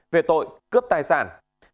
về tội cướp tài sản